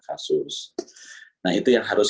kasus nah itu yang harus